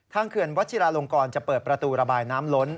เขื่อนวัชิราลงกรจะเปิดประตูระบายน้ำล้น